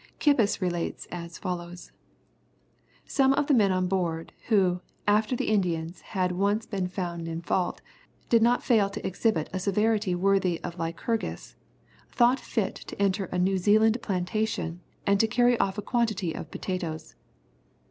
Kippis relates as follows: "Some of the men on board, who, after the Indians had once been found in fault, did not fail to exhibit a severity worthy of Lycurgus, thought fit to enter a New Zealand plantation, and to carry off a quantity of potatoes.